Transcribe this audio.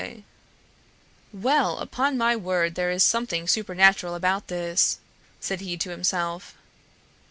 "Well, upon my word, there is something supernatural about this!" said he to himself.